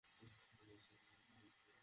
এটা আপনার সৌন্দর্যের একটা অংশ।